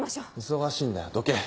忙しいんだよどけ。